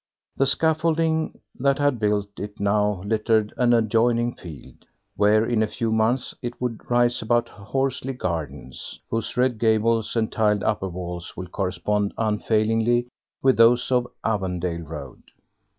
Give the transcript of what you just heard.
The scaffolding that had built it now littered an adjoining field, where in a few months it would rise about Horsely Gardens, whose red gables and tiled upper walls will correspond unfailingly with those of Avondale Road.